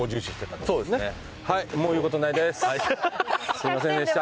すみませんでした。